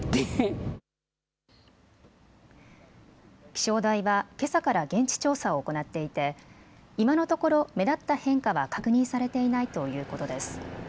気象台はけさから現地調査を行っていて今のところ目立った変化は確認されていないということです。